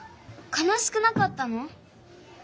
かなしくなかったの？